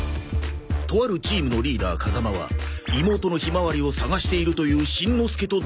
とあるチームのリーダーカザマは妹のひまわりを捜しているというしんのすけと出会う